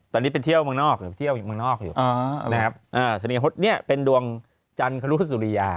ตอนนี้เป็นเที่ยวเมืองนอกเป็นเที่ยวเมืองนอกอยู่นะครับจนิดกับมดนี้เป็นดวงจันทรุสุริยา